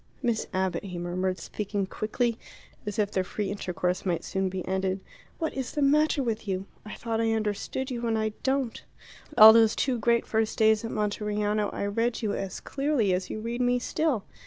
"Miss Abbott," he murmured, speaking quickly, as if their free intercourse might soon be ended, "what is the matter with you? I thought I understood you, and I don't. All those two great first days at Monteriano I read you as clearly as you read me still.